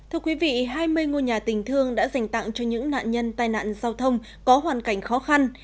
thưa quý vị hai mươi ngôi nhà tình thương đã dành tặng cho những nạn nhân tai nạn giao thông có hoàn cảnh khó khăn